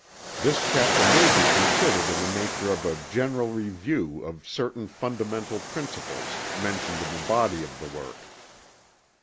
This chapter may be considered in the nature of a general review of certain fundamental principles mentioned in the body of the work.